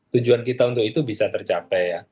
tujuan kita untuk itu bisa tercapai ya